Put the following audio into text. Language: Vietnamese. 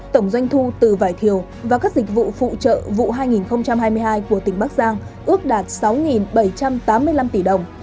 tổng doanh thu từ vải thiều và các dịch vụ phụ trợ vụ hai nghìn hai mươi hai của tỉnh bắc giang ước đạt sáu bảy trăm tám mươi năm tỷ đồng